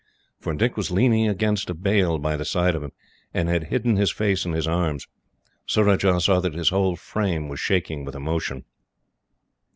For Dick was leaning against a bale by the side of him, and had hidden his face in his arms. Surajah saw that his whole frame was shaking with emotion.